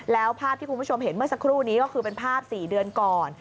แล้วภาพที่คุณผู้ชมเห็นเมื่อสักครู่นี้ก็คือเป็นภาพ๔เดือนก่อน